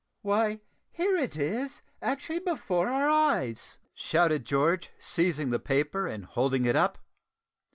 "Why, here it is, actually before our eyes!" shouted George, seizing the paper and holding it up.